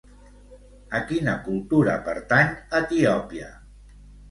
A quina cultura pertany Etiòpia?